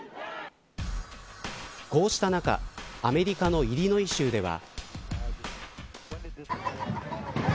こうした中アメリカのイリノイ州では。